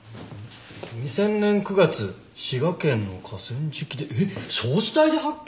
「２０００年９月滋賀県の河川敷で」えっ焼死体で発見！？